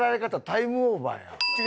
タイムオーバーやん。